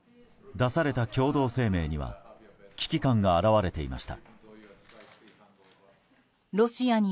出された共同声明には危機感が表れていました。